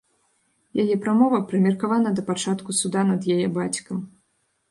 Яе прамова прымеркавана да пачатку суда над яе бацькам.